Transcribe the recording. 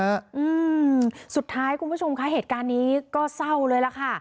อืมสุดท้ายคุณผู้ชมคะเหตุการณ์นี้ก็เศร้าเลยล่ะค่ะ